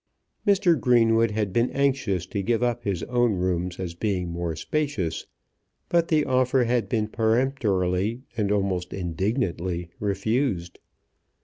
Mr. Greenwood had been anxious to give up his own rooms as being more spacious; but the offer had been peremptorily and almost indignantly refused.